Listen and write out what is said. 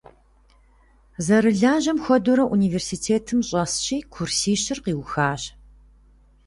Зэрылажьэм хуэдэурэ университетым щӏэсщи, курсищыр къиухащ.